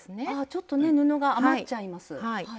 ちょっとね布が余っちゃいます。